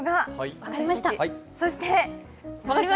分かりました！